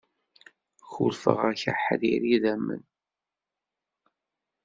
Kullfeɣ-ak aḥrir idamen.